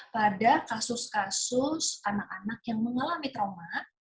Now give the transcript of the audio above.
pada kasus kasus anak anak yang mengalami trauma